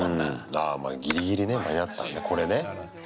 ああ、ギリギリね間に合ったね、これね。